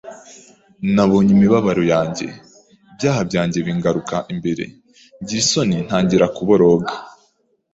Nabonye imibabaro yanjye, ibyaha byanjye bingaruka imbere, ngira isoni ntangira kuboroga!